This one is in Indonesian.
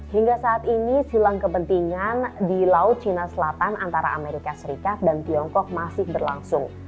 hingga saat ini silang kepentingan di laut cina selatan antara amerika serikat dan tiongkok masih berlangsung